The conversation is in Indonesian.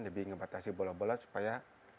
lebih ngebatasi bola bola supaya